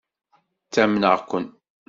Ttamneɣ-ken.